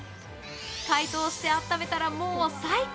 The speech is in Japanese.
解凍してあっためたら、もう最高。